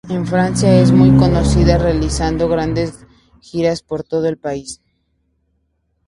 En Francia es muy conocida realizando grandes giras por todo el país.